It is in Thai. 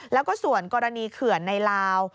แล้วก็ส่วนกรณีเขื่อนในลาว